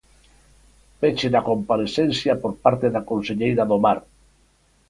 Peche da comparecencia por parte da conselleira do Mar.